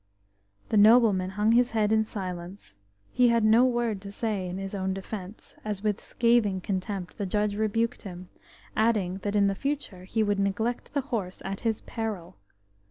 The nobleman hung his head in silence; he had no word to say in his own defence as with scathing contempt the judge rebuked him, adding that in future he would neglect the horse at his peril.